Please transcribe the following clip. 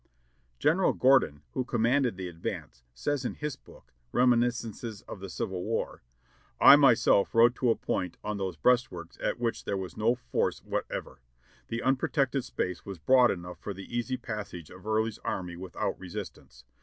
General Gordon, who commanded the advance, says, in his book, "Reminiscences of the Civil War" : "I myself rode to a point on those breastworks at which there was no force whatever. The un protected space was broad enough for the easy passage of Early's army without resistance.